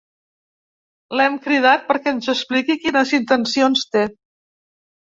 L'hem cridat perquè ens expliqui quines intencions té.